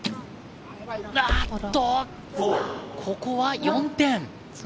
ここは４点。